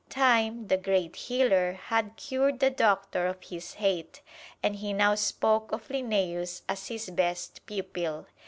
Time, the great healer, had cured the Doctor of his hate, and he now spoke of Linnæus as his best pupil.